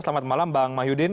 selamat malam bang mahyudin